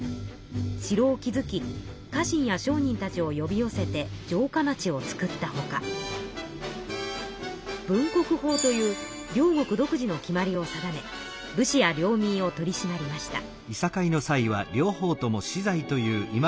城を築き家臣や商人たちをよび寄せて城下町をつくったほか分国法という領国独自の決まりを定め武士や領民を取りしまりました。